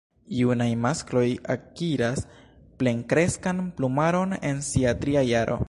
Junaj maskloj akiras plenkreskan plumaron en sia tria jaro.